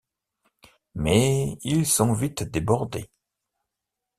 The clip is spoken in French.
Mais ils sont vite débordés.